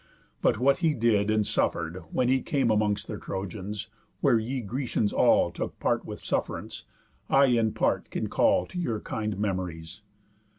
But what he did, and suffer'd, when he came Amongst the Trojans, where ye Grecians all Took part with suff'rance, I in part can call To your kind memories.